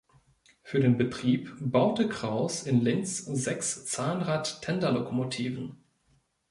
Für den Betrieb baute Krauss in Linz sechs Zahnrad-Tenderlokomotiven.